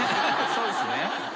そうですね。